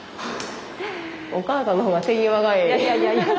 お母さんの方が手際がええ。